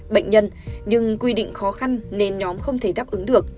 bệnh nhân nhưng quy định khó khăn nên nhóm không thể đáp ứng được